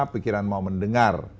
pikiran mau mendengar